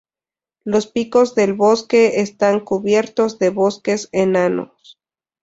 Los picos del bosque están cubiertos de bosques enanos.